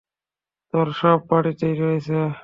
তারা সব বাড়িতেই রয়েছে।